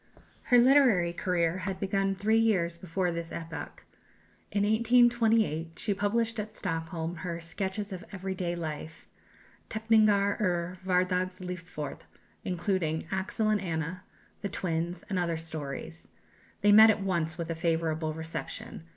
Her literary career had begun three years before this epoch. In 1828 she published at Stockholm her "Sketches of Every day Life" (Teckningar ur Hvardags lifort), including, "Axel and Anna," "The Twins," and other stories. They met at once with a favourable reception.